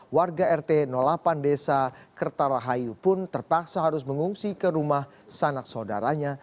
warga rt delapan desa kertarahayu pun terpaksa harus mengungsi ke rumah sanak saudaranya